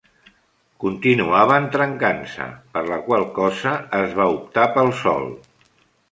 Continuaven trencant-se, per la qual cosa es va optar pel sol.